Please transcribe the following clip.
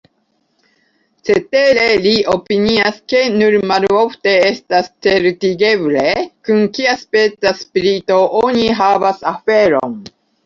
Cetere, li opinias, ke nur malofte estas certigeble, kun kiaspeca spirito oni havas aferon.